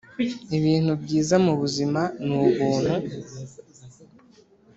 ibintu byiza mubuzima ni ubuntu